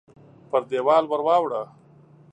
پر دېوال ورواړوه !